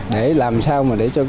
để làm sao mà để cho các